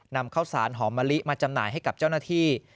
นำข้าวสารหอมมะลิมาจำหน่ายให้กับเจ้าหน้าที่